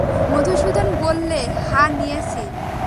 মধুসূদন বললে, হাঁ নিয়েছি।